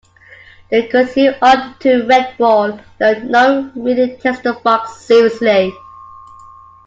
They continue on to Redwall, though no one really takes the fox seriously.